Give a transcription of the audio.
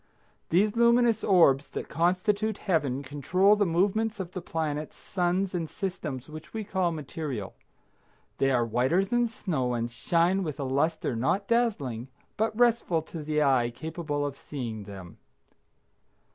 These luminous orbs that constitute Heaven control the movements of the planets, suns and systems which we call material. They are whiter than snow and shine with a luster not dazzling, but restful to the eye capable of seeing them.